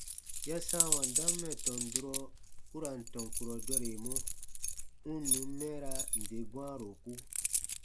Ya sãawa dam mɛ̀ tɔn durɔ u ra n tɔn kurɔ dɔremɔ, u n nùn mɛɛraa nde bwãaroku.